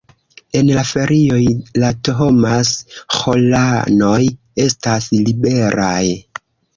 En la ferioj la Thomas-ĥoranoj estas liberaj.